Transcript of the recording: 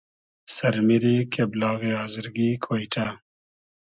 سئر میری کېبلاغی آزرگی کۉیݖۂ